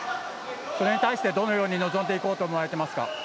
それに対してどのように臨んでいこうと思われていますか。